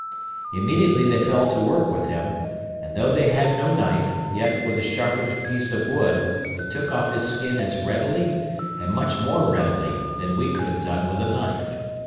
Immediately they fell to work with him; and though they had no knife, yet, with a sharpened piece of wood, they took off his skin as readily, and much more readily, than we could have done with a knife.